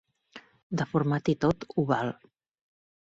Deformat i tot, ho val.